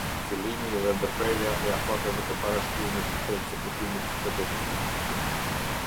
Fillimi dhe ndërprerja e afateve të parashkrimit të ekzekutimit të dënimit.